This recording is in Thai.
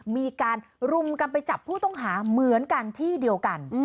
มีการรุมกันไปจับผู้ต้องหาเหมือนกันที่เดียวกัน